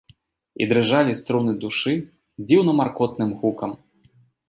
І дрыжалі струны душы дзіўна маркотным гукам.